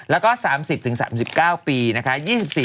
แล้วก็๓๐ถึง๓๙ปีนะคะ๒๔๘